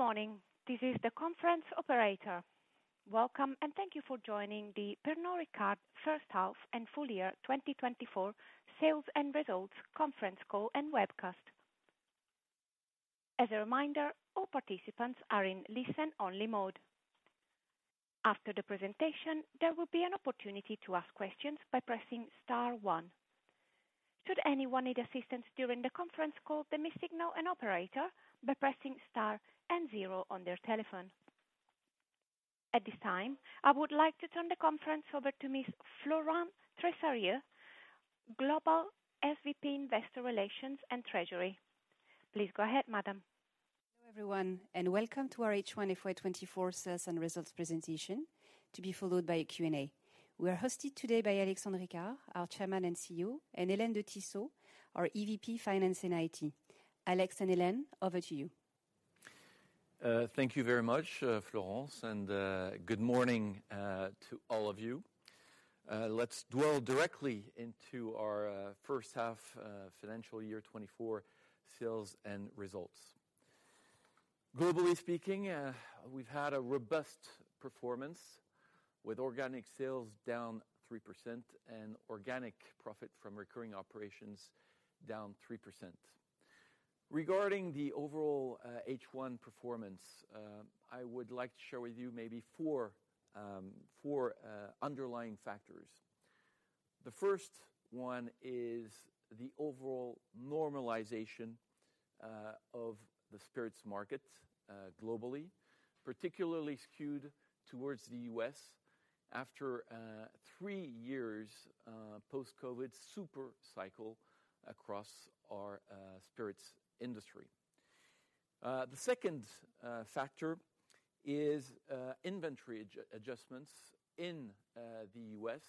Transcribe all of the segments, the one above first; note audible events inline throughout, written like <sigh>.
Good morning. This is the conference operator. Welcome, and thank you for joining the Pernod Ricard first half and full year 2024 sales and results conference call and webcast. As a reminder, all participants are in listen-only mode. After the presentation, there will be an opportunity to ask questions by pressing star 1. Should anyone need assistance during the conference call, they may signal an operator by pressing star and 0 on their telephone. At this time, I would like to turn the conference over to Ms. Florence Tresarrieu, Global SVP Investor Relations and Treasury. Please go ahead, madam. Hello everyone, and welcome to our H1 FY24 sales and results presentation, to be followed by a Q&A. We are hosted today by Alexandre Ricard, our Chairman and CEO, and Hélène de Tissot, our EVP, Finance and IT. Alex and Hélène, over to you. Thank you very much, Florence, and good morning to all of you. Let's dive directly into our first half financial year 2024 sales and results. Globally speaking, we've had a robust performance, with organic sales down 3% and organic profit from recurring operations down 3%. Regarding the overall H1 performance, I would like to share with you maybe four underlying factors. The first one is the overall normalization of the spirits market globally, particularly skewed towards the U.S. after three years post-COVID super cycle across our spirits industry. The second factor is inventory adjustments in the U.S.,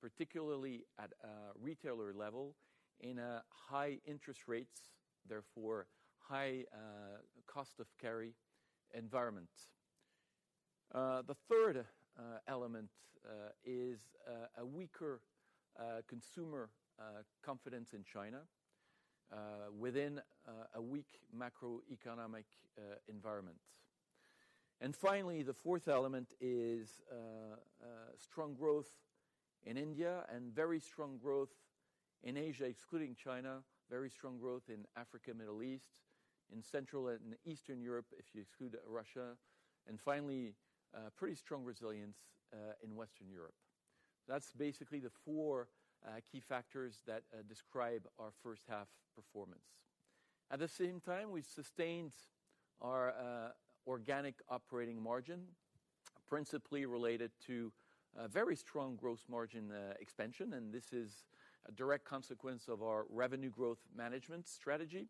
particularly at retailer level, in a high-interest rates, therefore high cost-of-carry environment. The third element is a weaker consumer confidence in China, within a weak macroeconomic environment. And finally, the fourth element is strong growth in India and very strong growth in Asia, excluding China, very strong growth in Africa, Middle East, in Central and Eastern Europe, if you exclude Russia, and finally, pretty strong resilience in Western Europe. That's basically the four key factors that describe our first half performance. At the same time, we've sustained our organic operating margin, principally related to very strong gross margin expansion, and this is a direct consequence of our revenue growth management strategy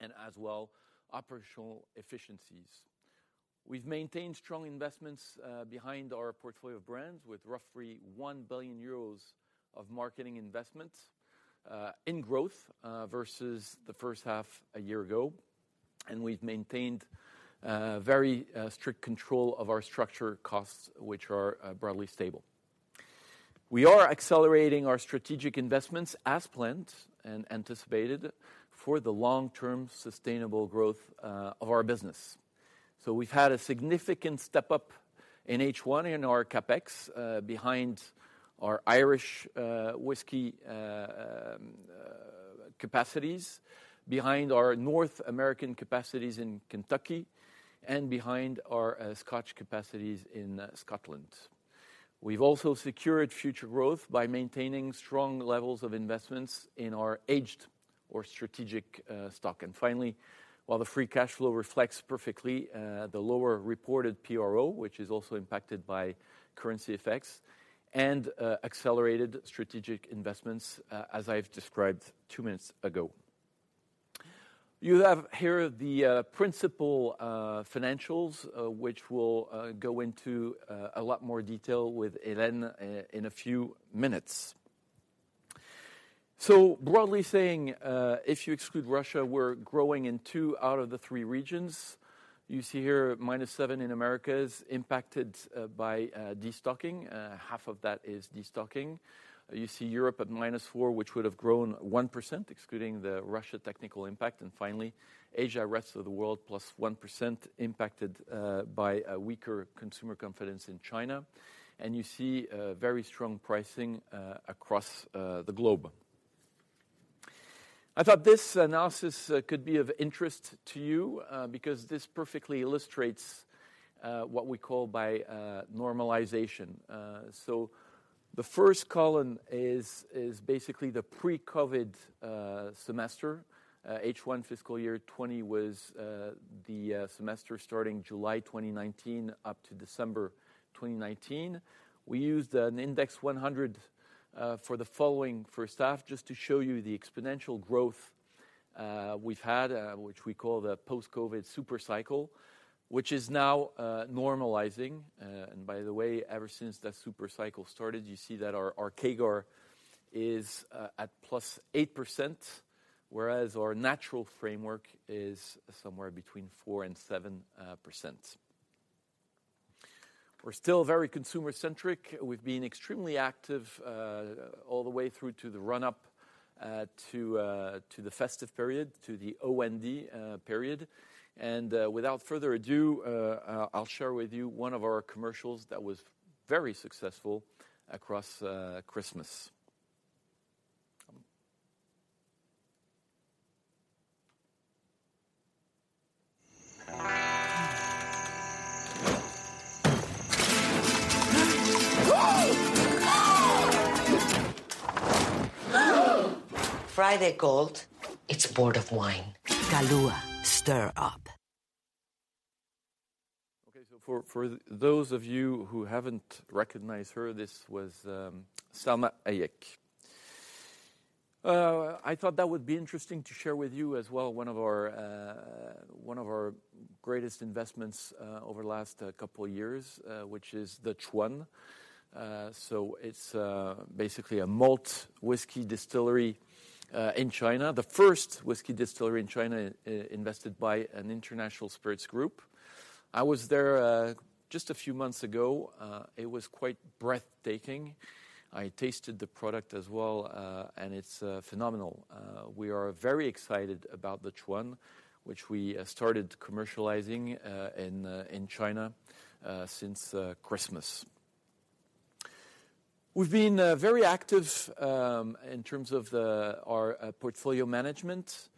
and as well operational efficiencies. We've maintained strong investments behind our portfolio of brands, with roughly 1 billion euros of marketing investments in growth versus the first half a year ago, and we've maintained very strict control of our structural costs, which are broadly stable. We are accelerating our strategic investments as planned and anticipated for the long-term sustainable growth of our business. So we've had a significant step up in H1 and our CapEx behind our Irish whiskey capacities, behind our North American capacities in Kentucky, and behind our Scotch capacities in Scotland. We've also secured future growth by maintaining strong levels of investments in our aged or strategic stock. And finally, while the free cash flow reflects perfectly the lower reported PRO, which is also impacted by currency effects and accelerated strategic investments, as I've described two minutes ago. You have here the principal financials, which we'll go into a lot more detail with Hélène in a few minutes. So broadly saying, if you exclude Russia, we're growing in two out of the three regions. You see here -7% in America is impacted by destocking. Half of that is destocking. You see Europe at -4%, which would have grown 1%, excluding the Russia technical impact. And finally, Asia rest of the world +1%, impacted by a weaker consumer confidence in China. And you see very strong pricing across the globe. I thought this analysis could be of interest to you, because this perfectly illustrates what we call by normalization. So the first column is basically the pre-COVID semester. H1 fiscal year 2020 was the semester starting July 2019 up to December 2019. We used an index 100 for the following first half just to show you the exponential growth we've had, which we call the post-COVID super cycle, which is now normalizing. And by the way, ever since that super cycle started, you see that our CAGR is at +8%, whereas our natural framework is somewhere between 4%-7%. We're still very consumer-centric. We've been extremely active, all the way through to the run-up to the festive period to the OND period. Without further ado, I'll share with you one of our commercials that was very successful across Christmas. Friday cold. It's bored of wine. Kahlúa, stir up. Okay, so for those of you who haven't recognized her, this was Salma Hayek. I thought that would be interesting to share with you as well one of our greatest investments over the last couple of years, which is The Chuan. So it's basically a malt whiskey distillery in China, the first whiskey distillery in China invested by an international spirits group. I was there just a few months ago. It was quite breathtaking. I tasted the product as well, and it's phenomenal. We are very excited about The Chuan, which we started commercializing in China since Christmas. We've been very active in terms of our portfolio management.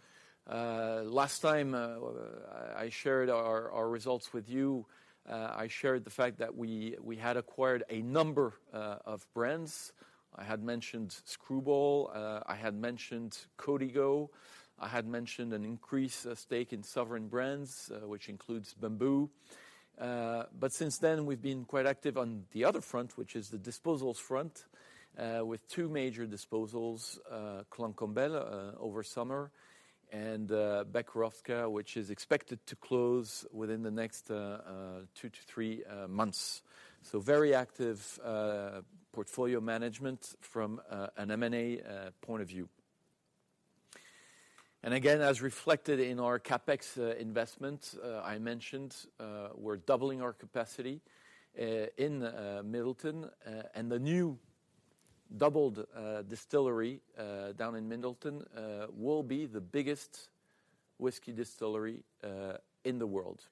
Last time I shared our results with you. I shared the fact that we had acquired a number of brands. I had mentioned Skrewball. I had mentioned Código. I had mentioned an increased stake in Sovereign Brands, which includes Bumbu. But since then, we've been quite active on the other front, which is the disposals front, with two major disposals, Clan Campbell, over summer, and Becherovka, which is expected to close within the next 2-3 months. So very active portfolio management from an M&A point of view. And again, as reflected in our CapEx investments, I mentioned, we're doubling our capacity in Midleton, and the new doubled distillery down in Midleton will be the biggest whiskey distillery in the world.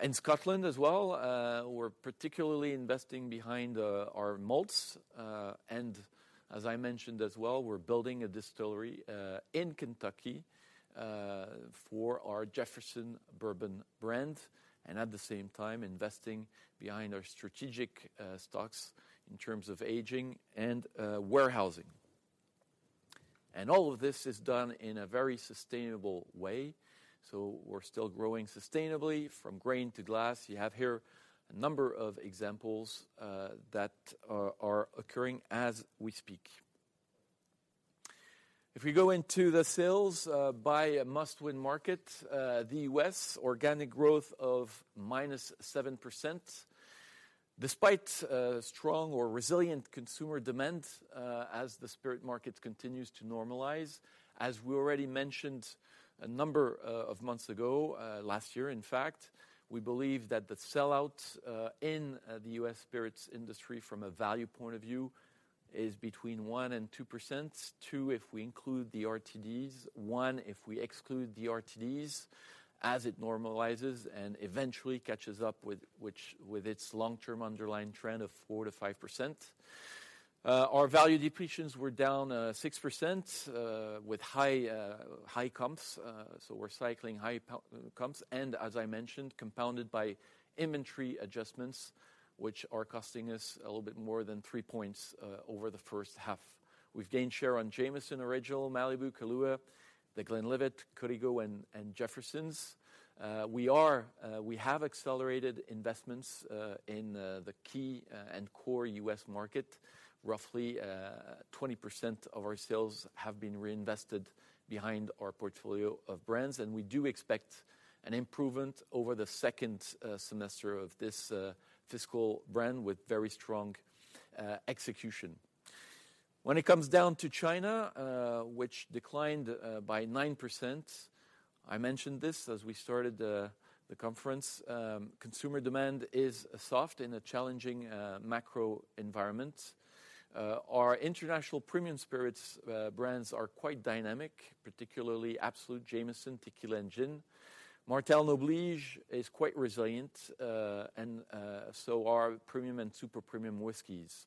In Scotland as well, we're particularly investing behind our malts. And as I mentioned as well, we're building a distillery in Kentucky for our Jefferson's bourbon brand, and at the same time, investing behind our strategic stocks in terms of aging and warehousing. And all of this is done in a very sustainable way. So we're still growing sustainably from grain to glass. You have here a number of examples that are occurring as we speak. If we go into the sales by a must-win market, the U.S., organic growth of -7%, despite strong or resilient consumer demand, as the spirit market continues to normalize. As we already mentioned a number of months ago, last year, in fact, we believe that the sellout in the U.S. spirits industry from a value point of view is between 1% and 2%, 2% if we include the RTDs, 1% if we exclude the RTDs, as it normalizes and eventually catches up with which with its long-term underlying trend of 4%-5%. Our value depletions were down 6%, with high comps. So we're cycling high comps and, as I mentioned, compounded by inventory adjustments, which are costing us a little bit more than three points over the first half. We've gained share on Jameson Original, Malibu, Kahlúa, The Glenlivet, Código, and Jefferson's. We have accelerated investments in the key and core U.S. market. Roughly, 20% of our sales have been reinvested behind our portfolio of brands, and we do expect an improvement over the second half of this fiscal year with very strong execution. When it comes down to China, which declined by 9%, I mentioned this as we started the conference. Consumer demand is soft in a challenging macro environment. Our international premium spirits brands are quite dynamic, particularly Absolut, Jameson, Tequila, and Gin. Martell Noblige is quite resilient, and so are premium and super premium whiskeys.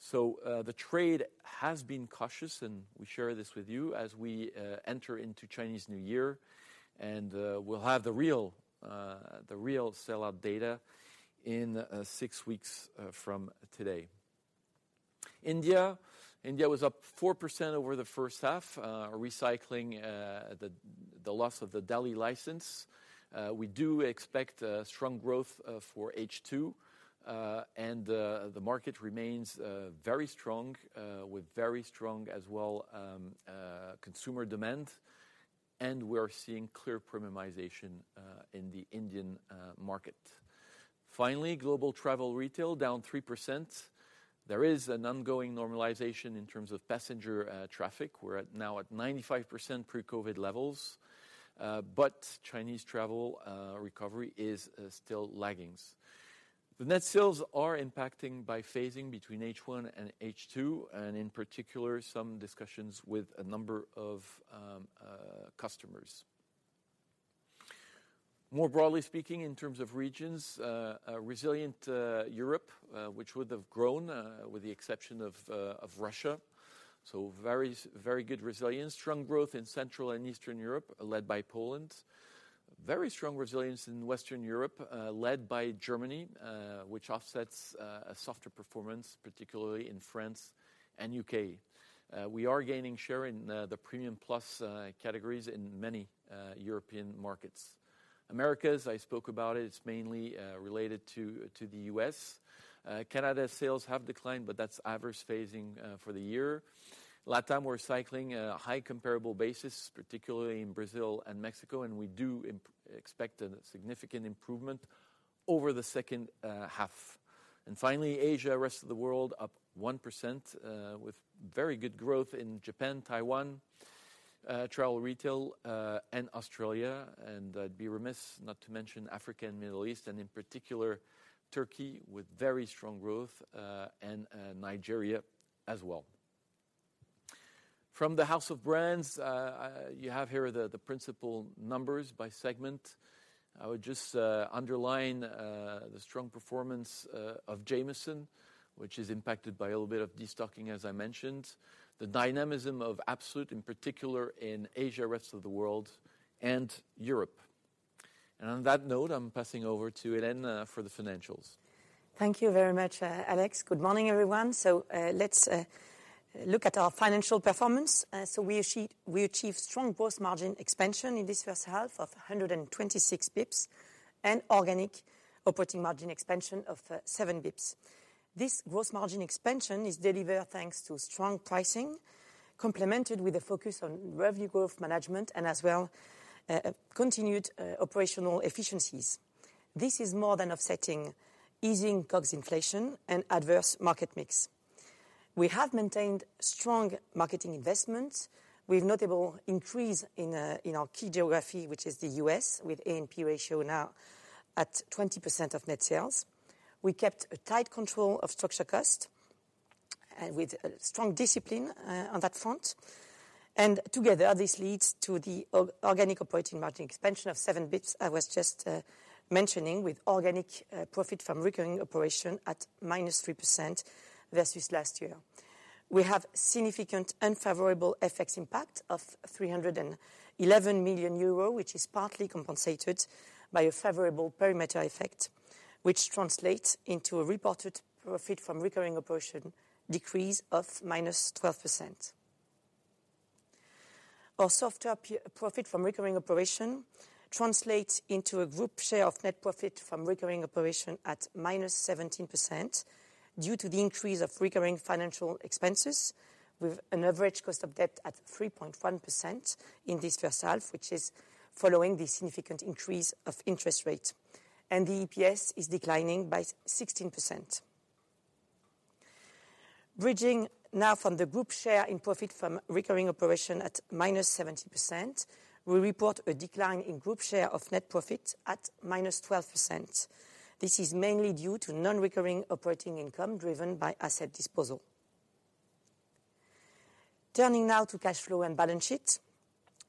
So, the trade has been cautious, and we share this with you as we enter into Chinese New Year and we'll have the real, the real sellout data in six weeks from today. India was up 4% over the first half, recycling the loss of the Delhi license. We do expect strong growth for H2, and the market remains very strong, with very strong as well consumer demand, and we are seeing clear premiumization in the Indian market. Finally, global travel retail down 3%. There is an ongoing normalization in terms of passenger traffic. We're at now at 95% pre-COVID levels, but Chinese travel recovery is still lagging. The net sales are impacting by phasing between H1 and H2, and in particular, some discussions with a number of customers. More broadly speaking, in terms of regions, resilient Europe, which would have grown, with the exception of Russia. So very, very good resilience, strong growth in Central and Eastern Europe, led by Poland, very strong resilience in Western Europe, led by Germany, which offsets a softer performance, particularly in France and U.K. We are gaining share in the premium plus categories in many European markets. Americas, I spoke about it. It's mainly related to the U.S. Canada sales have declined, but that's adverse phasing for the year. Latam, we're cycling a high comparable basis, particularly in Brazil and Mexico, and we do expect a significant improvement over the second half. And finally, Asia, rest of the world, up 1%, with very good growth in Japan, Taiwan, travel retail, and Australia, and I'd be remiss not to mention Africa and Middle East, and in particular, Turkey with very strong growth, and Nigeria as well. From the House of Brands, you have here the principal numbers by segment. I would just underline the strong performance of Jameson, which is impacted by a little bit of destocking, as I mentioned, the dynamism of Absolut, in particular, in Asia, rest of the world, and Europe. On that note, I'm passing over to Hélène for the financials. Thank you very much, Alex. Good morning, everyone. Let's look at our financial performance. We achieve strong gross margin expansion in this first half of 126 bps and organic operating margin expansion of 7 bps. This gross margin expansion is delivered thanks to strong pricing, complemented with a focus on revenue growth management and as well, continued operational efficiencies. This is more than offsetting easing COGS inflation and adverse market mix. We have maintained strong marketing investments with notable increase in our key geography, which is the U.S., with ANP ratio now at 20% of net sales. We kept a tight control of structured costs and with a strong discipline on that front. Together, this leads to the organic operating margin expansion of 7 bps I was just mentioning, with organic profit from recurring operations at -3% versus last year. We have significant unfavorable FX impact of 311 million euro, which is partly compensated by a favorable perimeter effect, which translates into a reported profit from recurring operation decrease of -12%. Our softer profit from recurring operation translates into a group share of net profit from recurring operation at -17% due to the increase of recurring financial expenses with an average cost of debt at 3.1% in this first half, which is following the significant increase of interest rate, and the EPS is declining by 16%. Bridging now from the group share in profit from recurring operation at -70%, we report a decline in group share of net profit at -12%. This is mainly due to non-recurring operating income driven by asset disposal. Turning now to cash flow and balance sheet.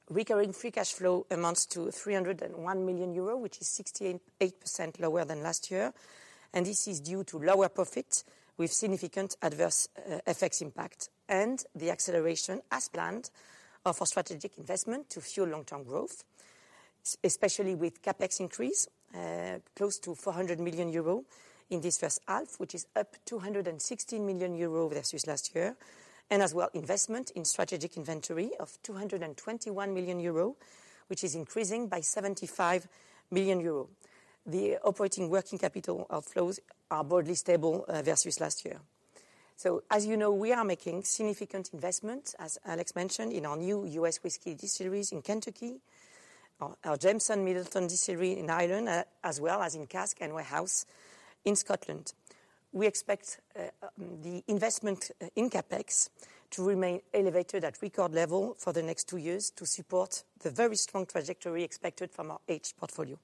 Recurring free cash flow amounts to 301 million euro, which is 68% lower than last year, and this is due to lower profit with significant adverse FX impact and the acceleration, as planned, of our strategic investment to fuel long-term growth, especially with CapEx increase close to 400 million euro in this first half, which is up 216 million euro versus last year, and as well investment in strategic inventory of 221 million euro, which is increasing by 75 million euro. The operating working capital outflows are broadly stable versus last year. So as you know, we are making significant investments, as Alex mentioned, in our new U.S. whiskey distilleries in Kentucky, our Jameson Midleton distillery in Ireland, as well as in cask and warehouse in Scotland. We expect the investment in CapEx to remain elevated at record level for the next two years to support the very strong trajectory expected from our aged portfolio.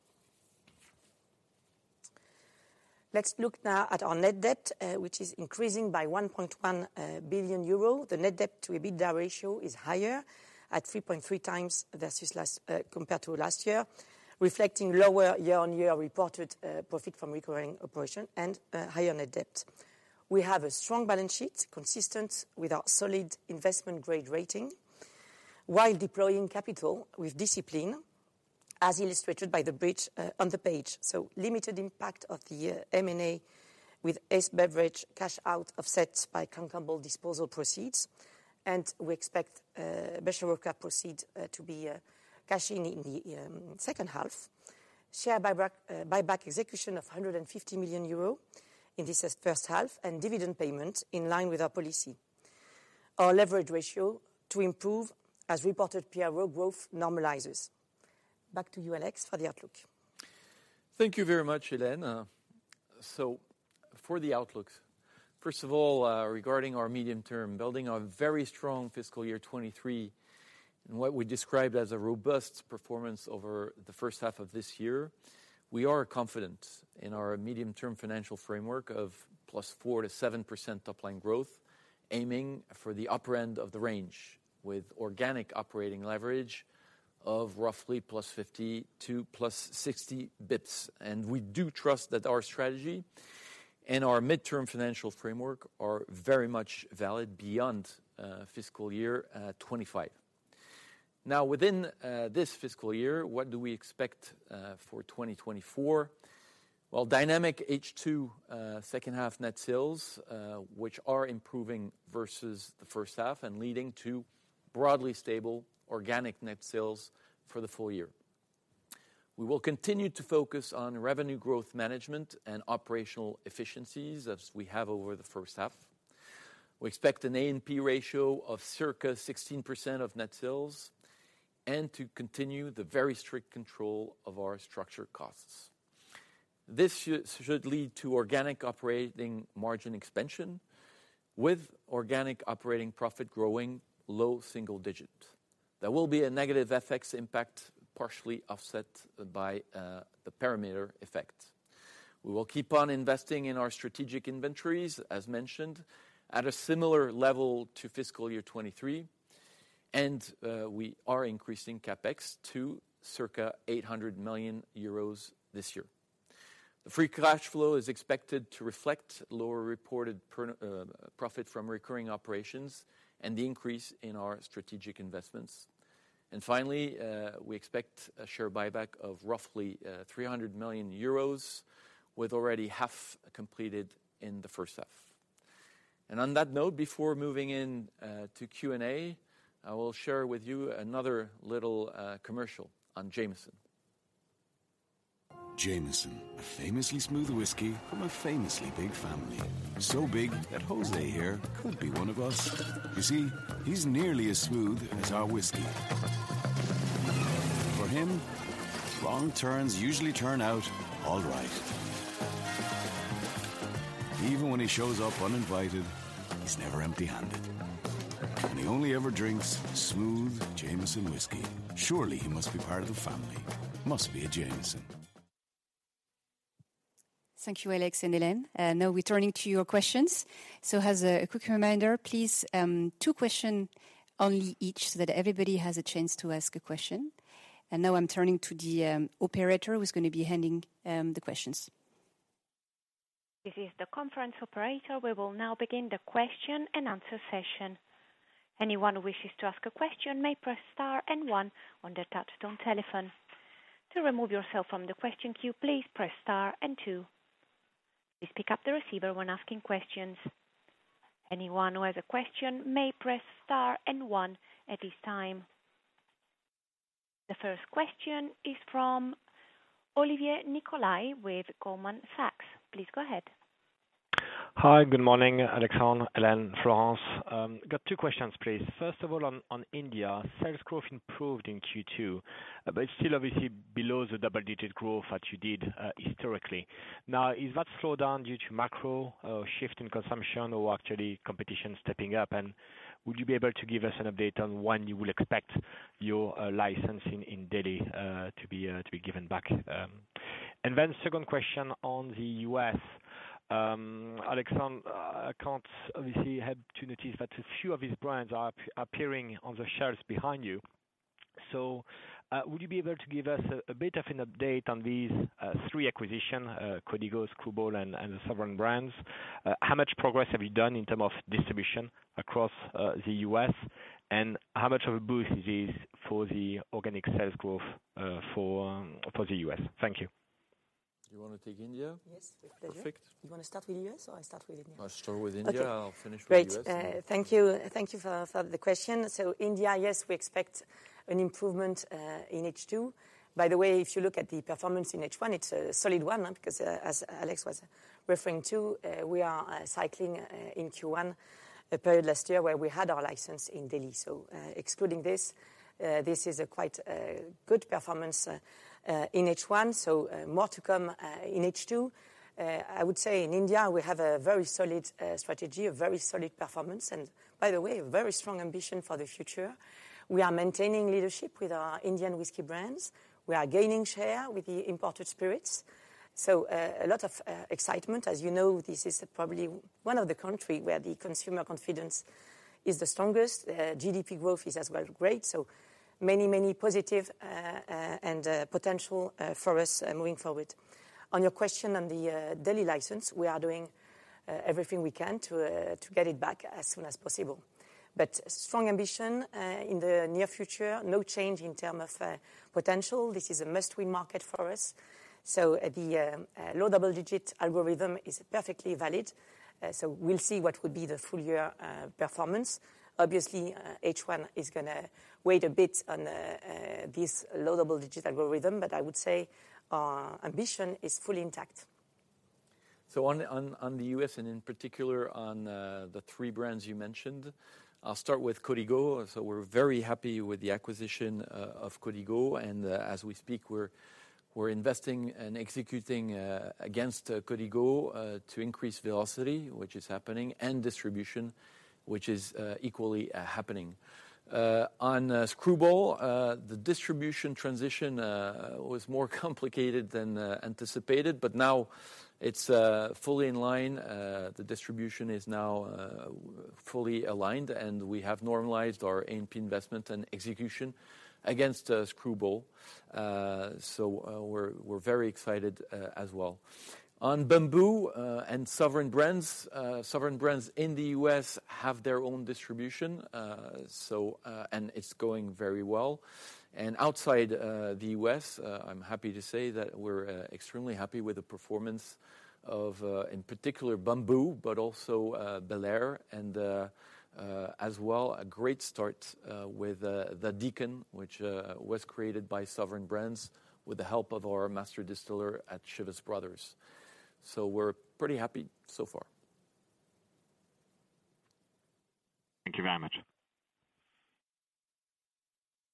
Let's look now at our net debt, which is increasing by 1.1 billion euro. The net debt to EBITDA ratio is higher at 3.3 times versus last year, reflecting lower year-on-year reported profit from recurring operations and higher net debt. We have a strong balance sheet consistent with our solid investment-grade rating while deploying capital with discipline, as illustrated by the bridge on the page. So limited impact of the M&A with Sovereign Brands cash out offset by Clan Campbell disposal proceeds, and we expect Becherovka proceeds to be cashing in the second half, share buyback execution of 150 million euro in this first half, and dividend payment in line with our policy. Our leverage ratio to improve as reported PRO growth normalizes. Back to you, Alex, for the outlook. Thank you very much, Hélène. So for the outlooks, first of all, regarding our medium term, building a very strong fiscal year 2023 and what we described as a robust performance over the first half of this year, we are confident in our medium-term financial framework of +4%-7% top-line growth, aiming for the upper end of the range with organic operating leverage of roughly +50 to +60 bps. And we do trust that our strategy and our midterm financial framework are very much valid beyond fiscal year 2025. Now, within this fiscal year, what do we expect for 2024? Well, dynamic H2 second-half net sales, which are improving versus the first half and leading to broadly stable organic net sales for the full year. We will continue to focus on revenue growth management and operational efficiencies as we have over the first half. We expect an ANP ratio of circa 16% of net sales and to continue the very strict control of our structure costs. This should lead to organic operating margin expansion with organic operating profit growing low single digits. There will be a negative FX impact partially offset by the perimeter effect. We will keep on investing in our strategic inventories, as mentioned, at a similar level to fiscal year 2023, and we are increasing CapEx to circa 800 million euros this year. The free cash flow is expected to reflect lower reported PRO profit from recurring operations and the increase in our strategic investments. And finally, we expect a share buyback of roughly 300 million euros with already half completed in the first half. And on that note, before moving in to Q&A, I will share with you another little commercial on Jameson. Jameson, a famously smooth whiskey from a famously big family. So big that José here could be one of us. You see, he's nearly as smooth as our whiskey. For him, wrong turns usually turn out all right. Even when he shows up uninvited, he's never empty-handed, and he only ever drinks smooth Jameson whiskey. Surely he must be part of the family. Must be a Jameson. Thank you, Alex and Hélène. Now we're turning to your questions. So as a quick reminder, please, two questions only each so that everybody has a chance to ask a question. Now I'm turning to the operator who's going to be handing the questions. This is the conference operator. We will now begin the question and answer session. Anyone who wishes to ask a question may press star and one on their touch-tone telephone. To remove yourself from the question queue, please press star and two. Please pick up the receiver when asking questions. Anyone who has a question may press star and one at this time. The first question is from Olivier Nicolaï with Goldman Sachs. Please go ahead. Hi. Good morning, Alexandre, Hélène, Florence. Got two questions, please. First of all, on India, sales growth improved in Q2, but it's still obviously below the double-digit growth that you did, historically. Now, is that slowdown due to macro, shift in consumption or actually competition stepping up? And would you be able to give us an update on when you will expect your license in Delhi to be given back? And then second question on the US. Alexandre, I can't obviously help to notice that a few of his brands are appearing on the shelves behind you. So, would you be able to give us a bit of an update on these three acquisitions, Código, Skrewball, and the Sovereign Brands? How much progress have you done in terms of distribution across the U.S., and how much of a boost is this for the organic sales growth for the U.S.? Thank you. You want to take India? Yes, with pleasure. <inaudible> You want to start with the U.S. or I start with India? I'll start with India. I'll finish with the U.S. Great. Thank you. Thank you for the question. So India, yes, we expect an improvement in H2. By the way, if you look at the performance in H1, it's a solid one, because, as Alex was referring to, we are cycling in Q1 a period last year where we had our license in Delhi. So, excluding this, this is a quite good performance in H1. So, more to come in H2. I would say in India, we have a very solid strategy, a very solid performance, and by the way, a very strong ambition for the future. We are maintaining leadership with our Indian whisky brands. We are gaining share with the imported spirits. So, a lot of excitement. As you know, this is probably one of the countries where the consumer confidence is the strongest. GDP growth is as well great. So many, many positives and potential for us moving forward. On your question on the Delhi license, we are doing everything we can to get it back as soon as possible. But strong ambition in the near future, no change in terms of potential. This is a must-win market for us. So the low double-digit ambition is perfectly valid. So we'll see what would be the full year performance. Obviously, H1 is going to weigh a bit on this low double-digit ambition, but I would say our ambition is fully intact. So on the US and in particular on the three brands you mentioned, I'll start with Código. So we're very happy with the acquisition of Código. And as we speak, we're investing and executing against Código to increase velocity, which is happening, and distribution, which is equally happening. On Skrewball, the distribution transition was more complicated than anticipated, but now it's fully in line. The distribution is now fully aligned, and we have normalized our ANP investment and execution against Skrewball. So we're very excited as well. On Bumbu and Sovereign Brands, Sovereign Brands in the US have their own distribution, so and it's going very well. Outside the US, I'm happy to say that we're extremely happy with the performance of, in particular, Bumbu, but also Luc Belaire, and, as well, a great start with The Deacon, which was created by Sovereign Brands with the help of our master distiller at Chivas Brothers. So we're pretty happy so far. Thank you very much.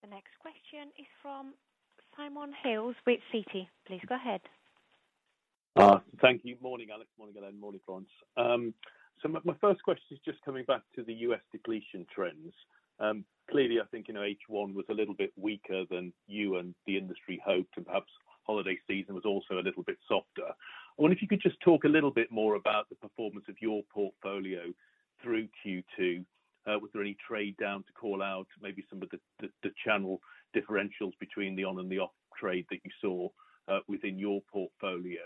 The next question is from Simon Hales with Citi. Please go ahead. Thank you. Morning, Alex. Morning, Hélène. Morning, Florence. So my first question is just coming back to the U.S. depletion trends. Clearly, I think, you know, H1 was a little bit weaker than you and the industry hoped, and perhaps holiday season was also a little bit softer. I wonder if you could just talk a little bit more about the performance of your portfolio through Q2. Was there any trade down to call out, maybe some of the channel differentials between the on and the off trade that you saw within your portfolio?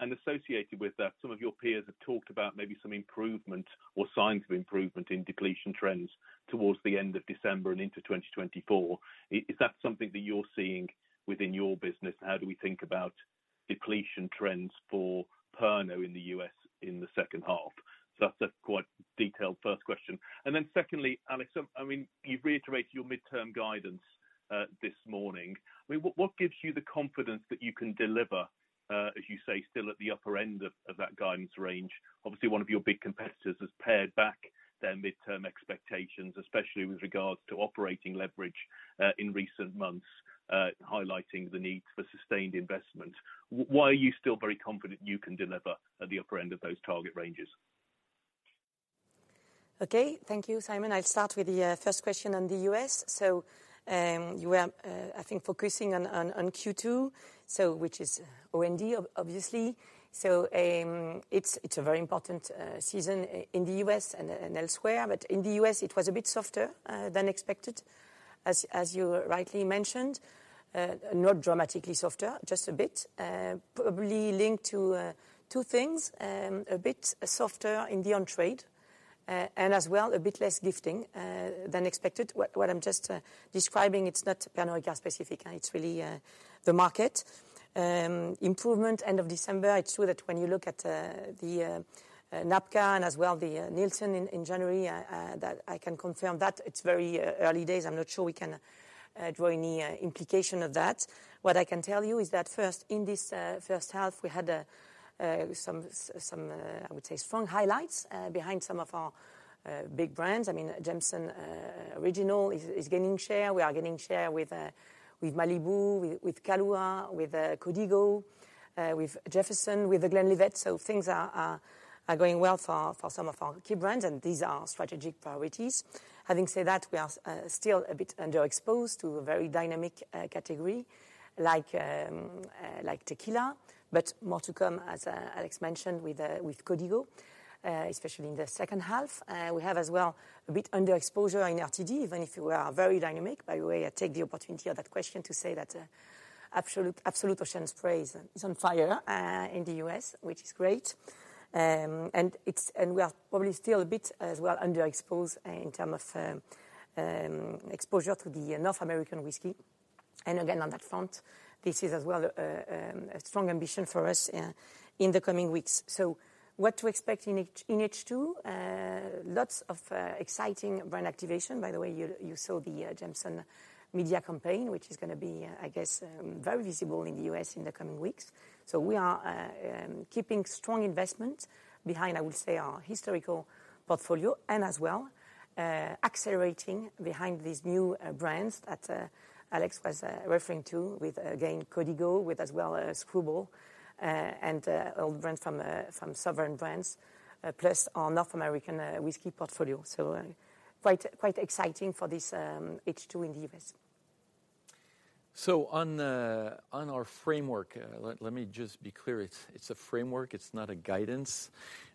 And associated with that, some of your peers have talked about maybe some improvement or signs of improvement in depletion trends towards the end of December and into 2024. Is that something that you're seeing within your business, and how do we think about depletion trends for Pernod in the US in the second half? So that's a quite detailed first question. And then secondly, Alex, I mean, you've reiterated your midterm guidance this morning. I mean, what gives you the confidence that you can deliver, as you say, still at the upper end of that guidance range? Obviously, one of your big competitors has pared back their midterm expectations, especially with regards to operating leverage, in recent months, highlighting the need for sustained investment. Why are you still very confident you can deliver at the upper end of those target ranges? Okay. Thank you, Simon. I'll start with the first question on the US. So, you were, I think, focusing on Q2, so which is OND, obviously. So, it's a very important season in the US and elsewhere. But in the US, it was a bit softer than expected, as you rightly mentioned. Not dramatically softer, just a bit, probably linked to two things. A bit softer in the on-trade, and as well a bit less gifting than expected. What I'm just describing, it's not Pernod Ricard specific, it's really the market. Improvement end of December, it's true that when you look at the NABCA and as well the Nielsen in January, that I can confirm that. It's very early days. I'm not sure we can draw any implication of that. What I can tell you is that first, in this first half, we had some strong highlights behind some of our big brands. I mean, Jameson Original is gaining share. We are gaining share with Malibu, with Kahlúa, with Código, with Jefferson's, with The Glenlivet. So things are going well for some of our key brands, and these are strategic priorities. Having said that, we are still a bit underexposed to a very dynamic category like tequila, but more to come, as Alex mentioned, with Código, especially in the second half. We have as well a bit underexposure in RTD, even if we are very dynamic. By the way, I take the opportunity of that question to say that Absolut Absolut Ocean Spray is on fire in the US, which is great. and we are probably still a bit as well underexposed, in terms of exposure to the North American whiskey. And again, on that front, this is as well a strong ambition for us in the coming weeks. So what to expect in H2? Lots of exciting brand activation. By the way, you saw the Jameson media campaign, which is going to be, I guess, very visible in the US in the coming weeks. So we are keeping strong investment behind, I would say, our historical portfolio and as well accelerating behind these new brands that Alex was referring to with, again, Código, with as well Skrewball, and old brands from Sovereign Brands, plus our North American whiskey portfolio. So quite exciting for this H2 in the US. So, on our framework, let me just be clear. It's a framework. It's not a guidance.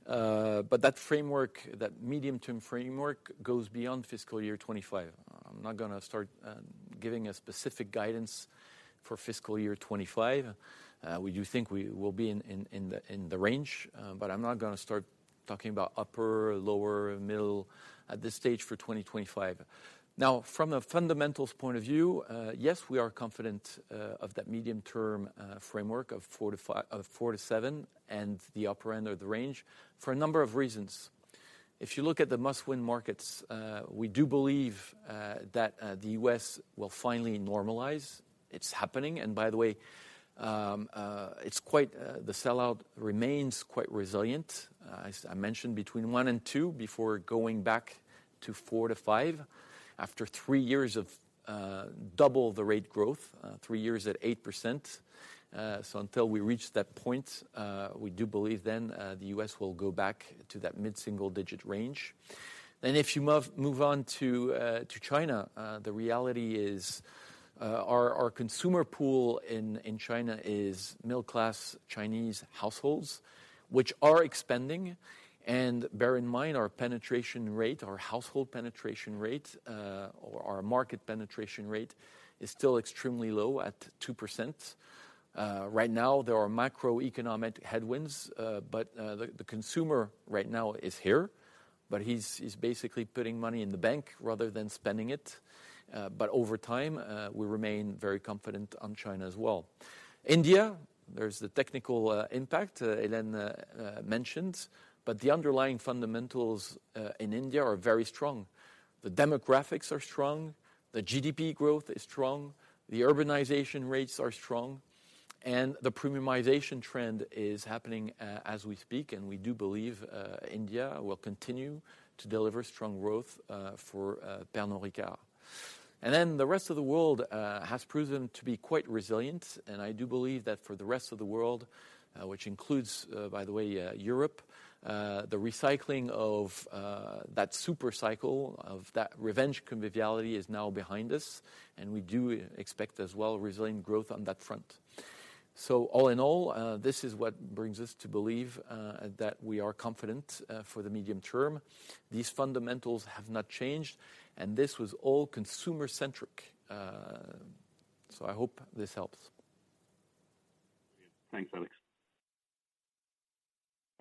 But that framework, that medium-term framework, goes beyond fiscal year 2025. I'm not going to start giving a specific guidance for fiscal year 2025. We do think we will be in the range, but I'm not going to start talking about upper, lower, middle at this stage for 2025. Now, from a fundamentals point of view, yes, we are confident of that medium-term framework of 4-5 of 4-7 and the upper end of the range for a number of reasons. If you look at the must-win markets, we do believe that the U.S. will finally normalize. It's happening. And by the way, the sellout remains quite resilient. As I mentioned between 1 and 2 before going back to 4-5 after 3 years of double the rate growth, 3 years at 8%. So until we reach that point, we do believe then, the U.S. will go back to that mid-single-digit range. And if you move on to China, the reality is, our consumer pool in China is middle-class Chinese households, which are expanding. And bear in mind, our penetration rate, our household penetration rate, or our market penetration rate is still extremely low at 2%. Right now, there are macroeconomic headwinds, but the consumer right now is here, but he's basically putting money in the bank rather than spending it. But over time, we remain very confident on China as well. India, there's the technical impact Hélène mentioned, but the underlying fundamentals in India are very strong. The demographics are strong. The GDP growth is strong. The urbanization rates are strong. And the premiumization trend is happening, as we speak. And we do believe India will continue to deliver strong growth for Pernod Ricard. And then the rest of the world has proven to be quite resilient. And I do believe that for the rest of the world, which includes, by the way, Europe, the recycling of that supercycle of that revenge conviviality is now behind us. And we do expect as well resilient growth on that front. So all in all, this is what brings us to believe that we are confident for the medium term. These fundamentals have not changed, and this was all consumer-centric. So I hope this helps. Brilliant. Thanks, Alex.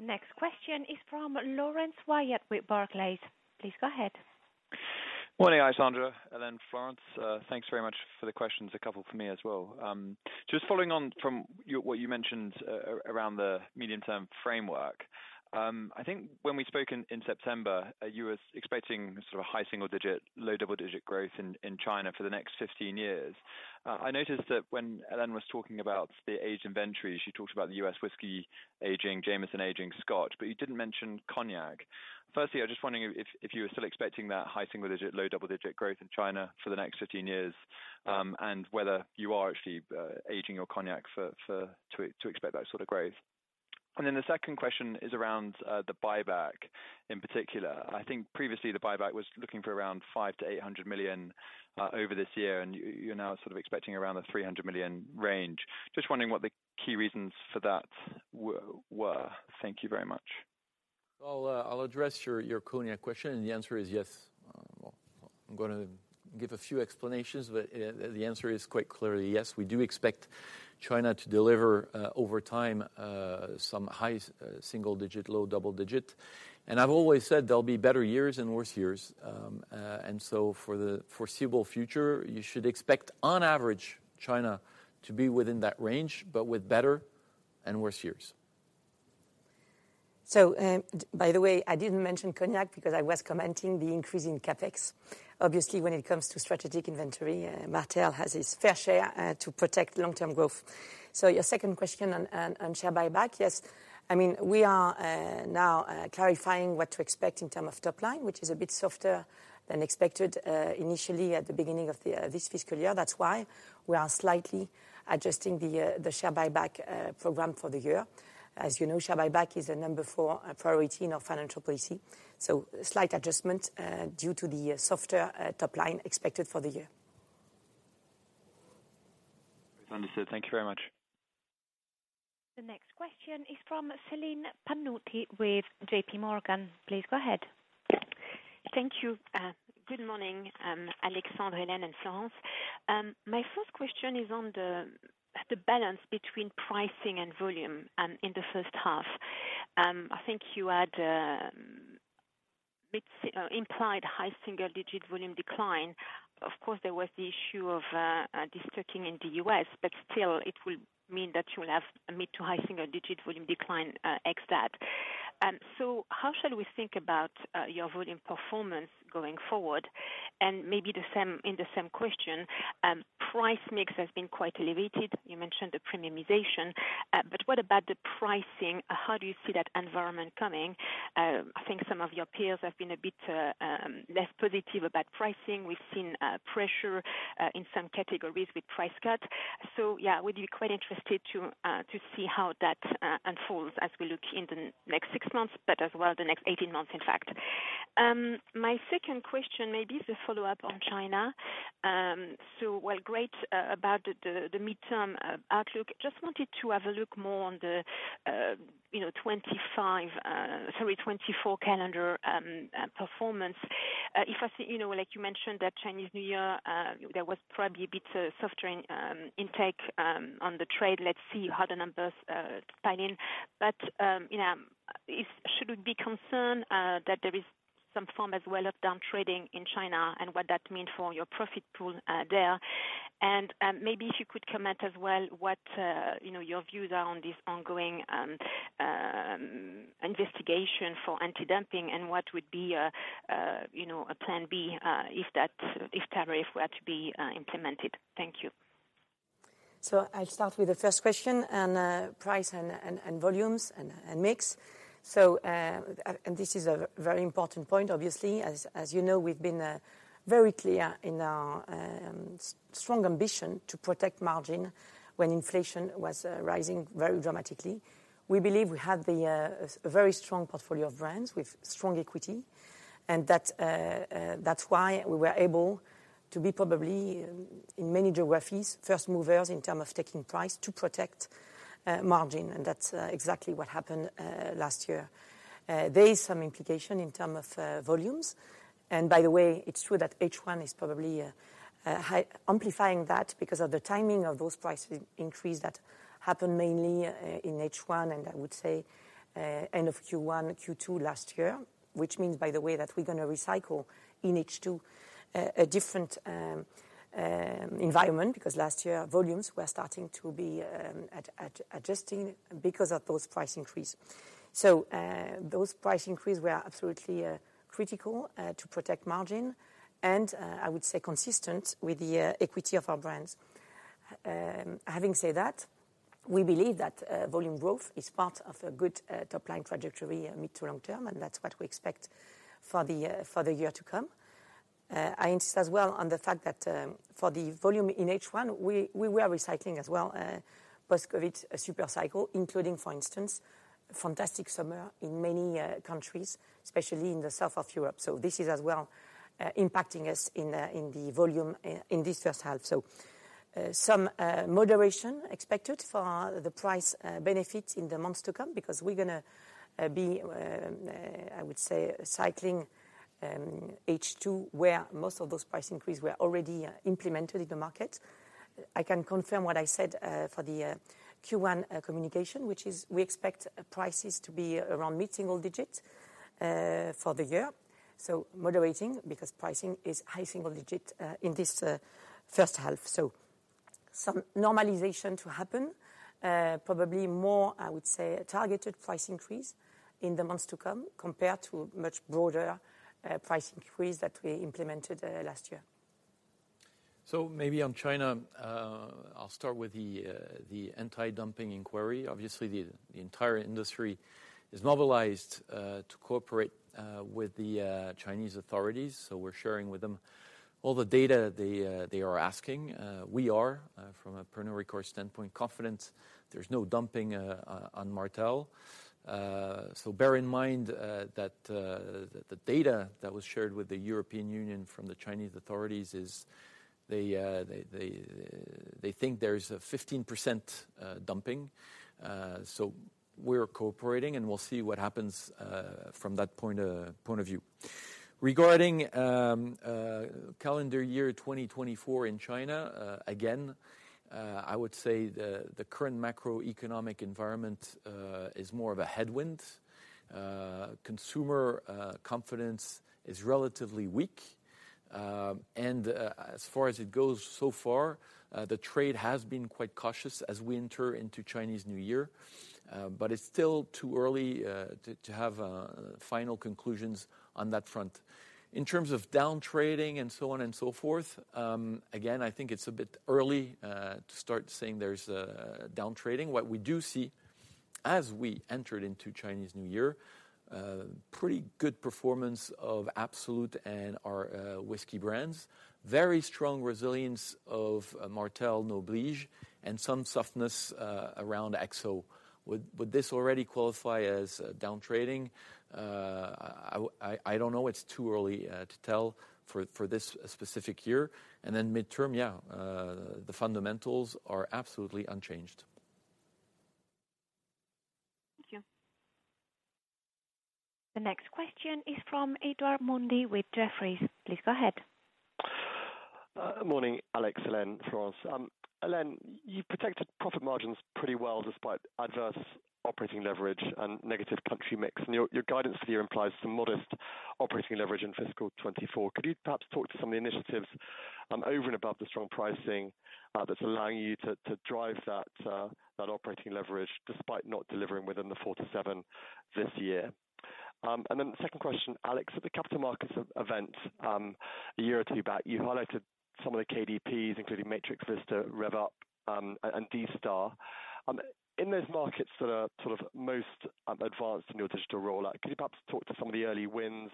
Next question is from Laurence Whyatt with Barclays. Please go ahead. Morning, Alexandre. And then Florence, thanks very much for the questions, a couple for me as well. Just following on from what you mentioned around the medium-term framework, I think when we spoke in September, you were expecting sort of a high single-digit, low double-digit growth in China for the next 15 years. I noticed that when Hélène was talking about the aging inventories, she talked about the US whiskey aging, Jameson aging, Scotch, but you didn't mention cognac. Firstly, I was just wondering if you were still expecting that high single-digit, low double-digit growth in China for the next 15 years, and whether you are actually aging your cognac to expect that sort of growth. And then the second question is around the buyback in particular. I think previously, the buyback was looking for around 5 million-800 million, over this year, and you're now sort of expecting around the 300 million range. Just wondering what the key reasons for that were? Thank you very much. Well, I'll address your, your cognac question, and the answer is yes. Well, I'm going to give a few explanations, but, the answer is quite clearly yes. We do expect China to deliver, over time, some high single-digit, low double-digit. And I've always said there'll be better years and worse years. And so for the foreseeable future, you should expect, on average, China to be within that range but with better and worse years. So, by the way, I didn't mention cognac because I was commenting the increase in CapEx. Obviously, when it comes to strategic inventory, Martell has his fair share to protect long-term growth. So your second question on share buyback, yes. I mean, we are now clarifying what to expect in terms of top line, which is a bit softer than expected initially at the beginning of this fiscal year. That's why we are slightly adjusting the share buyback program for the year. As you know, share buyback is number four priority in our financial policy. So slight adjustment due to the softer top line expected for the year. That's understood. Thank you very much. The next question is from Celine Pannuti with JPMorgan. Please go ahead. Thank you. Good morning, Alexandre, Hélène, and Florence. My first question is on the balance between pricing and volume in the first half. I think you had mid-single implied high single-digit volume decline. Of course, there was the issue of destocking in the US, but still, it will mean that you will have a mid- to high single-digit volume decline, ex that. So how shall we think about your volume performance going forward? And maybe the same in the same question, price mix has been quite elevated. You mentioned the premiumization. But what about the pricing? How do you see that environment coming? I think some of your peers have been a bit less positive about pricing. We've seen pressure in some categories with price cuts. So yeah, we'd be quite interested to see how that unfolds as we look in the next six months but as well the next 18 months, in fact. My second question maybe is a follow-up on China. So while great about the midterm outlook, just wanted to have a look more on the, you know, 2025, sorry, 2024 calendar, performance. If I see, you know, like you mentioned that Chinese New Year, there was probably a bit softer in intake on the trade. Let's see how the numbers pile in. But you know, should we be concerned that there is some form as well of downtrading in China and what that means for your profit pool there Maybe if you could comment as well on what, you know, your views are on this ongoing investigation for anti-dumping and what would be a, you know, a plan B if that tariff were to be implemented. Thank you. So I'll start with the first question and price and volumes and mix. So, this is a very important point, obviously. As you know, we've been very clear in our strong ambition to protect margin when inflation was rising very dramatically. We believe we have a very strong portfolio of brands with strong equity, and that's why we were able to be probably in many geographies first movers in terms of taking price to protect margin. And that's exactly what happened last year. There is some implication in terms of volumes. And by the way, it's true that H1 is probably highly amplifying that because of the timing of those price increase that happened mainly in H1, and I would say end of Q1, Q2 last year, which means, by the way, that we're going to recycle in H2 a different environment because last year volumes were starting to be adjusting because of those price increase. So, those price increase were absolutely critical to protect margin and, I would say, consistent with the equity of our brands. Having said that, we believe that volume growth is part of a good top line trajectory, mid- to long-term, and that's what we expect for the year to come. I insist as well on the fact that, for the volume in H1, we were recycling as well post-COVID supercycle, including, for instance, fantastic summer in many countries, especially in the south of Europe. So this is as well impacting us in the volume in this first half. So some moderation expected for the price benefit in the months to come because we're going to be, I would say, cycling H2 where most of those price increases were already implemented in the market. I can confirm what I said for the Q1 communication, which is we expect prices to be around mid-single digit for the year. So moderating because pricing is high single digit in this first half. So some normalization to happen, probably more, I would say, targeted price increases in the months to come compared to much broader price increases that we implemented last year. So maybe on China, I'll start with the antidumping inquiry. Obviously, the entire industry is mobilized to cooperate with the Chinese authorities. So we're sharing with them all the data they are asking. We are, from a Pernod Ricard standpoint, confident there's no dumping on Martell. So bear in mind that the data that was shared with the European Union from the Chinese authorities is they think there's 15% dumping. So we're cooperating, and we'll see what happens from that point of view. Regarding calendar year 2024 in China, again, I would say the current macroeconomic environment is more of a headwind. Consumer confidence is relatively weak. As far as it goes so far, the trade has been quite cautious as we enter into Chinese New Year, but it's still too early to have final conclusions on that front. In terms of downtrading and so on and so forth, again, I think it's a bit early to start saying there's downtrading. What we do see as we entered into Chinese New Year, pretty good performance of Absolut and our whiskey brands, very strong resilience of Martell Noblige, and some softness around XO. Would this already qualify as downtrading? I don't know. It's too early to tell for this specific year. And then midterm, yeah, the fundamentals are absolutely unchanged. Thank you. The next question is from Edward Mundy with Jefferies. Please go ahead. Morning, Alex, Hélène, Florence. Hélène, you protected profit margins pretty well despite adverse operating leverage and negative country mix. And your, your guidance for the year implies some modest operating leverage in fiscal 2024. Could you perhaps talk to some of the initiatives, over and above the strong pricing, that's allowing you to, to drive that, that operating leverage despite not delivering within the 4-7 this year? And then second question, Alex, at the Capital Markets Event a year or two back, you highlighted some of the KDPs, including Matrix, Vista, RevUp, and, and D-Star. In those markets that are sort of most advanced in your digital rollout, could you perhaps talk to some of the early wins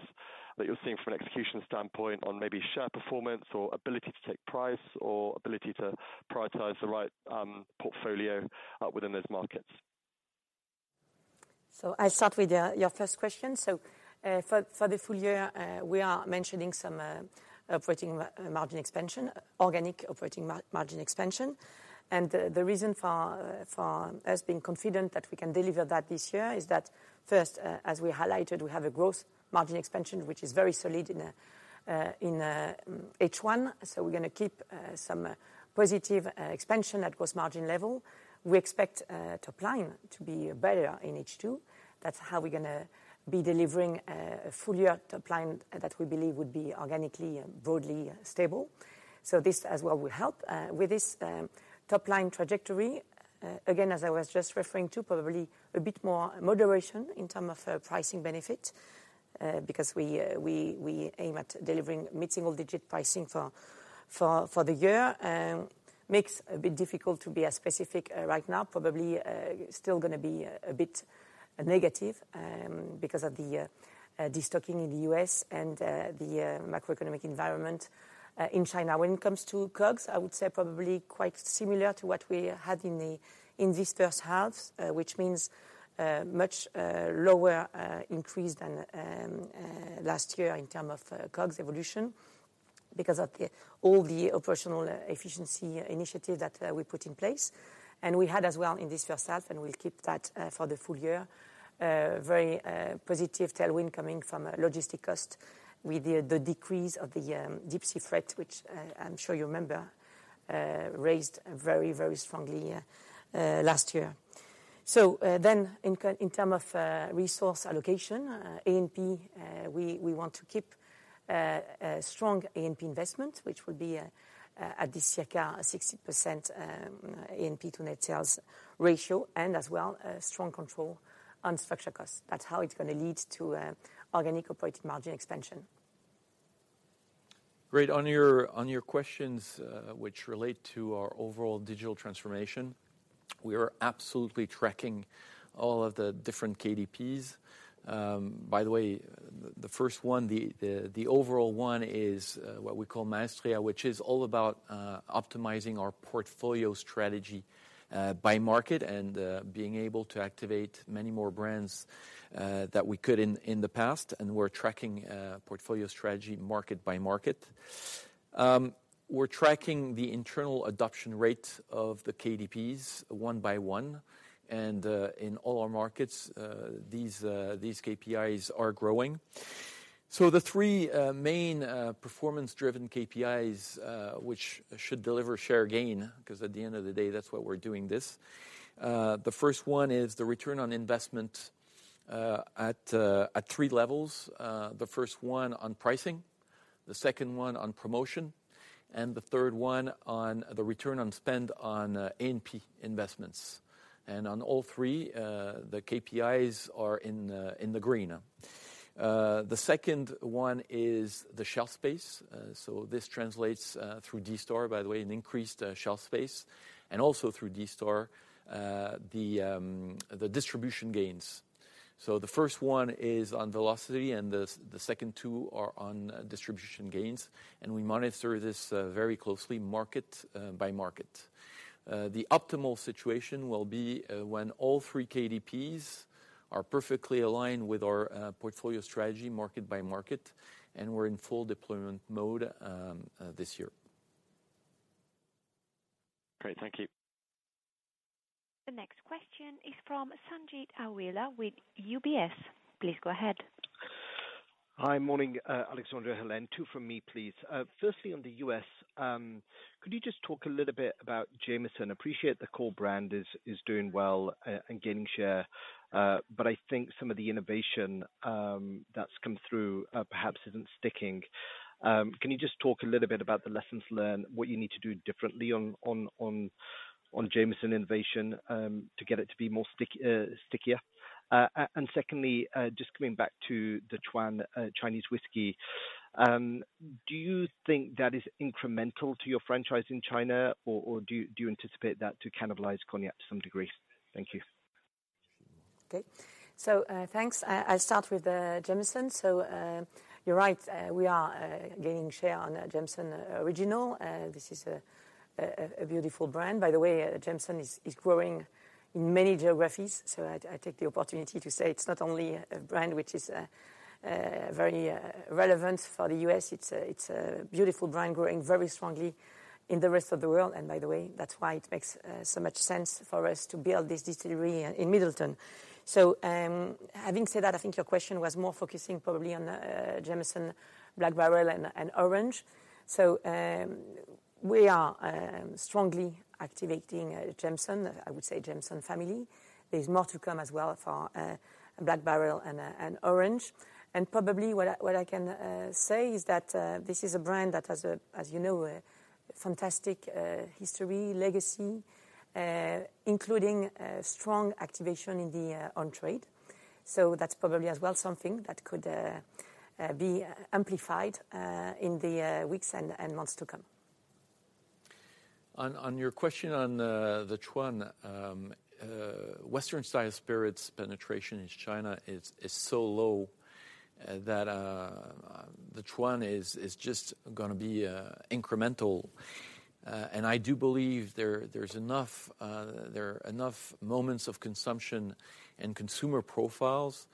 that you're seeing from an execution standpoint on maybe share performance or ability to take price or ability to prioritize the right portfolio within those markets? So I'll start with your first question. So, for the full year, we are mentioning some operating margin expansion, organic operating margin expansion. And the reason for us being confident that we can deliver that this year is that, first, as we highlighted, we have a gross margin expansion, which is very solid in H1. So we're going to keep some positive expansion at gross margin level. We expect top line to be better in H2. That's how we're going to be delivering a full-year top line that we believe would be organically broadly stable. So this as well will help with this top line trajectory, again, as I was just referring to, probably a bit more moderation in terms of pricing benefit, because we aim at delivering mid-single-digit pricing for the year. makes a bit difficult to be as specific right now. Probably still going to be a bit negative because of the distocking in the US and the macroeconomic environment in China. When it comes to COGS, I would say probably quite similar to what we had in this first half, which means much lower increase than last year in terms of COGS evolution because of all the operational efficiency initiative that we put in place. And we had as well in this first half, and we'll keep that for the full year, very positive tailwind coming from logistic costs with the decrease of the deep-sea freight, which I'm sure you remember rose very very strongly last year. So, then in terms of resource allocation, ANP, we want to keep a strong ANP investment, which will be at this circa 60% ANP to net sales ratio and as well strong control on structural costs. That's how it's going to lead to organic operating margin expansion. Great. On your questions, which relate to our overall digital transformation, we are absolutely tracking all of the different KDPs. By the way, the first one, the overall one, is what we call Maestria, which is all about optimizing our portfolio strategy by market and being able to activate many more brands that we could in the past. And we're tracking portfolio strategy market by market. We're tracking the internal adoption rate of the KDPs one by one. And in all our markets, these KPIs are growing. So the three main performance-driven KPIs, which should deliver share gain because at the end of the day, that's why we're doing this. The first one is the return on investment at three levels. The first one on pricing, the second one on promotion, and the third one on the return on spend on ANP investments. And on all three, the KPIs are in the green. The second one is the shelf space. So this translates through D-Star, by the way, an increased shelf space and also through D-Star, the distribution gains. So the first one is on velocity, and the second two are on distribution gains. And we monitor this very closely market by market. The optimal situation will be when all three KDPs are perfectly aligned with our portfolio strategy market by market, and we're in full deployment mode this year. Great. Thank you. The next question is from Sanjeet Aujla with UBS. Please go ahead. Hi. Morning, Alexandre, Hélène. Two from me, please. Firstly, on the U.S., could you just talk a little bit about Jameson? Appreciate the core brand is doing well, and gaining share, but I think some of the innovation that's come through, perhaps isn't sticking. Can you just talk a little bit about the lessons learned, what you need to do differently on Jameson innovation, to get it to be more stickier? And secondly, just coming back to The Chuan, Chinese whiskey, do you think that is incremental to your franchise in China, or do you anticipate that to cannibalize Cognac to some degree? Thank you. Okay. So, thanks. I'll start with Jameson. So, you're right. We are gaining share on Jameson Original. This is a beautiful brand. By the way, Jameson is growing in many geographies. So I take the opportunity to say it's not only a brand which is very relevant for the US. It's a beautiful brand growing very strongly in the rest of the world. And by the way, that's why it makes so much sense for us to build this distillery in Midleton. So, having said that, I think your question was more focusing probably on Jameson Black Barrel and Orange. So, we are strongly activating Jameson, I would say, the Jameson family. There's more to come as well for Black Barrel and Orange. Probably what I what I can say is that this is a brand that has, as you know, a fantastic history, legacy, including strong activation in the on trade. So that's probably as well something that could be amplified in the weeks and months to come. On your question on The Chuan, Western spirits' penetration in China is so low that The Chuan is just going to be incremental. And I do believe there are enough moments of consumption and consumer profiles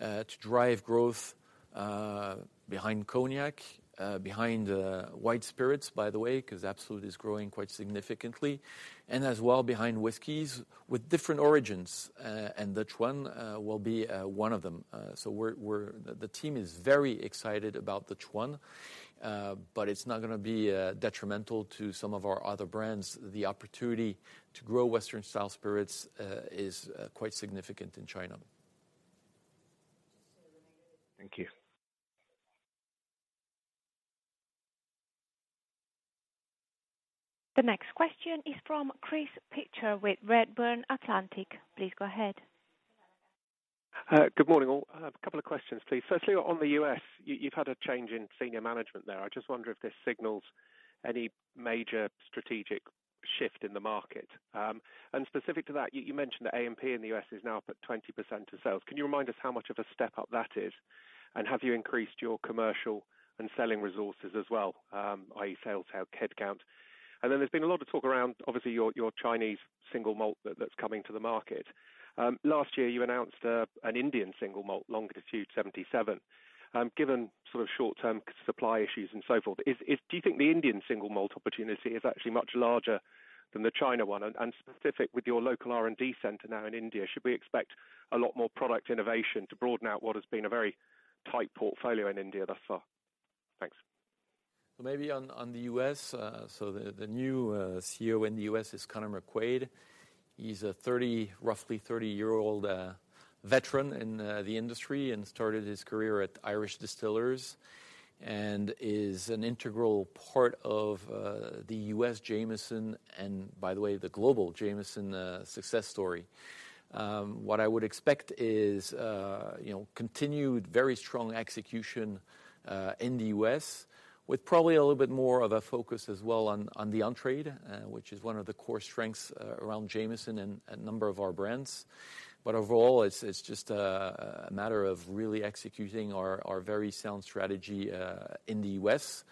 to drive growth behind Cognac, behind white spirits, by the way, because Absolut is growing quite significantly, and as well behind whiskeys with different origins. And The Chuan will be one of them. So the team is very excited about The Chuan, but it's not going to be detrimental to some of our other brands. The opportunity to grow Western-style spirits is quite sign Thank you. The next question is from Chris Pitcher with Redburn Atlantic. Please go ahead. Good morning, all. A couple of questions, please. Firstly, on the U.S., you-you've had a change in senior management there. I just wonder if this signals any major strategic shift in the market. And specific to that, you, you mentioned that ANP in the U.S. is now up at 20% of sales. Can you remind us how much of a step up that is? And have you increased your commercial and selling resources as well, i.e., sales headcount? And then there's been a lot of talk around, obviously, your, your Chinese single malt that-that's coming to the market. Last year, you announced an Indian single malt, Longitude 77, given sort of short-term s-supply issues and so forth. Is, is do you think the Indian single malt opportunity is actually much larger than the China one? And specific with your local R&D center now in India, should we expect a lot more product innovation to broaden out what has been a very tight portfolio in India thus far? Thanks. Maybe on the U.S., the new CEO in the U.S. is Conor McQuaid. He's a roughly 30-year veteran in the industry and started his career at Irish Distillers and is an integral part of the U.S. Jameson and, by the way, the global Jameson success story. What I would expect is, you know, continued very strong execution in the U.S. with probably a little bit more of a focus as well on the on-trade, which is one of the core strengths around Jameson and a number of our brands. But overall, it's just a matter of really executing our very sound strategy in the U.S.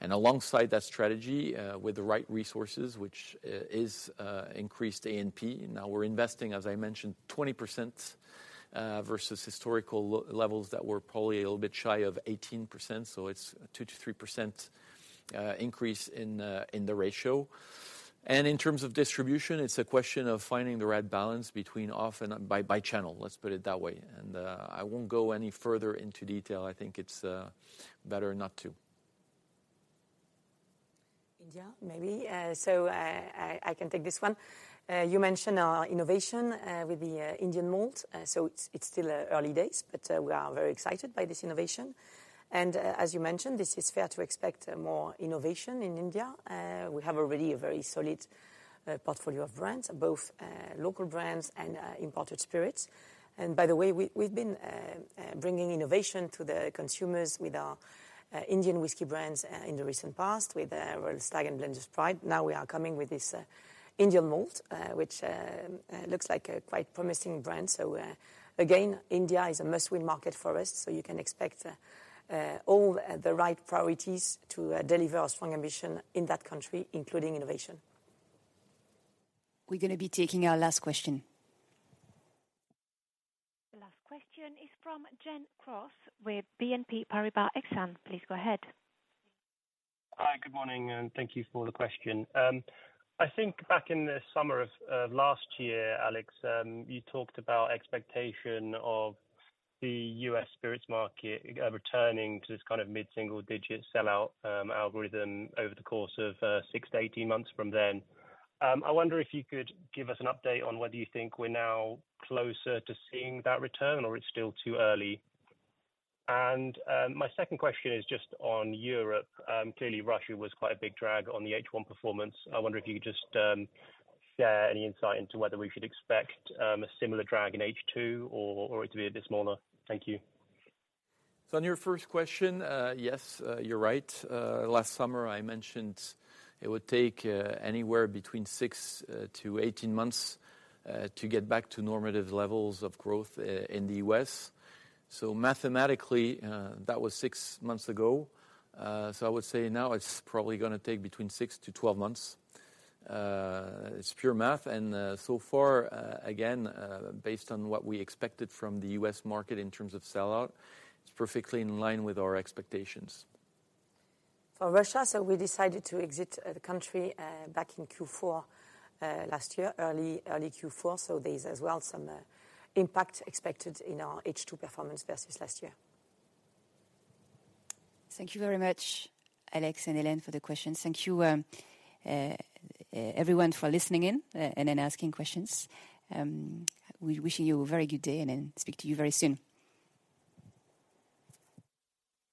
And alongside that strategy, with the right resources, which is increased ANP. Now, we're investing, as I mentioned, 20% versus historical levels that were probably a little bit shy of 18%. It's a 2%-3% increase in the ratio. In terms of distribution, it's a question of finding the right balance between off and by channel. Let's put it that way. I won't go any further into detail. I think it's better not to. India, maybe. So, I can take this one. You mentioned innovation with the Indian malt. So it's still early days, but we are very excited by this innovation. And, as you mentioned, this is fair to expect more innovation in India. We have already a very solid portfolio of brands, both local brands and imported spirits. And by the way, we've been bringing innovation to the consumers with our Indian whiskey brands in the recent past with Royal Stag and Blenders Pride. Now, we are coming with this Indian malt, which looks like a quite promising brand. So, again, India is a must-win market for us. So you can expect all the right priorities to deliver a strong ambition in that country, including innovation. We're going to be taking our last question. The last question is from Gen Cross with BNP Paribas Exane. Please go ahead. Hi. Good morning, and thank you for the question. I think back in the summer of, of last year, Alex, you talked about expectation of the U.S. spirits market, returning to this kind of mid-single-digit sell-out, algorithm over the course of, 6-18 months from then. I wonder if you could give us an update on whether you think we're now closer to seeing that return, or it's still too early. And, my second question is just on Europe. Clearly, Russia was quite a big drag on the H1 performance. I wonder if you could just, share any insight into whether we should expect, a similar drag in H2 or, or it to be a bit smaller. Thank you. So on your first question, yes, you're right. Last summer, I mentioned it would take anywhere between 6-18 months to get back to normative levels of growth in the U.S. So mathematically, that was 6 months ago. So I would say now it's probably going to take between 6-12 months. It's pure math. And so far, again, based on what we expected from the U.S. market in terms of sell-out, it's perfectly in line with our expectations. For Russia, so we decided to exit the country back in Q4 last year, early, early Q4. So there's as well some impact expected in our H2 performance versus last year. Thank you very much, Alex and Hélène, for the questions. Thank you, everyone, for listening in, and then asking questions. We're wishing you a very good day and then speak to you very soon.